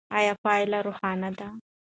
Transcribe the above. ایا پایله روښانه ده؟